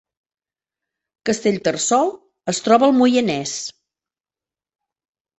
Castellterçol es troba al Moianès